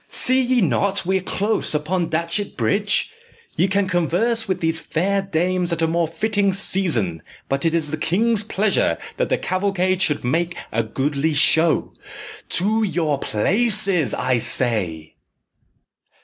"See ye not we are close upon Datchet Bridge? Ye can converse with these fair dames at a more fitting season; but it is the king's pleasure that the cavalcade should make a goodly show. To your places, I say!"